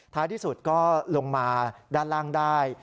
ที่สุดก็ลงมาด้านล่างได้